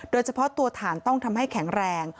โดยเฉพาะตัวฐานต้องทำให้แข็งแรง